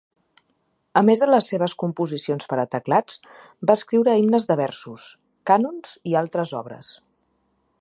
A més de les seves composicions per a teclats, va escriure himnes de versos, cànons i altres obres.